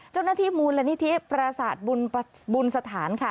เจ้าหน้าที่มูลและนิทิปราศาสตร์บุญสถานค่ะ